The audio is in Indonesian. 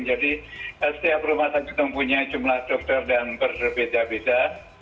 jadi setiap rumah sakit mempunyai jumlah dokter dan berbeda beda